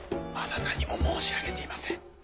まだ何も申し上げていません。